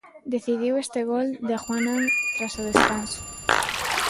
Decidiu este gol de Juanan tras o descanso.